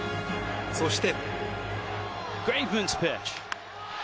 そして。